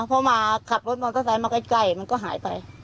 เพราะมาขับรถบังเตอร์สายมาใกล้มันก็หายไป